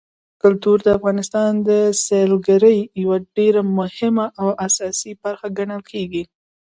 کلتور د افغانستان د سیلګرۍ یوه ډېره مهمه او اساسي برخه ګڼل کېږي.